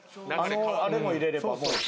あれも入れればもう。